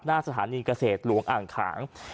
หน้าสถานีเกษตรหลวงอ่างขาง